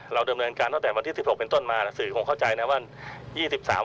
เราดำเนินการตั้งแต่วันที่๑๖เป็นต้นมาสื่อคงเข้าใจนะว่า